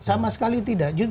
sama sekali tidak